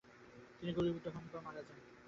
তিনি গুলিবিদ্ধ হন ও মারা যান।